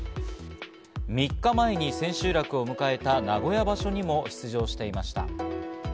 ３日前に千秋楽を迎えた名古屋場所にも出場していました。